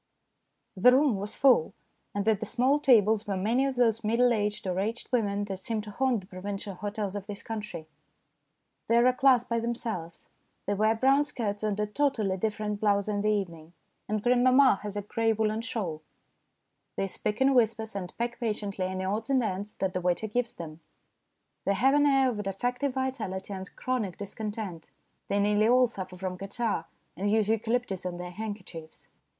The room was full, and at the small tables were many of those middle aged or aged women that seem to haunt the provincial hotels of this country. They are a class by themselves. They wear brown skirts and a totally different blouse in the evening, and grandmamma has a grey woollen shawl. They speak in whispers and peck patiently any odds and ends that the waiter gives them. They have an air of defective vitality and chronic discontent. They nearly all suffer from catarrh and use eucalyptus on their handkerchiefs.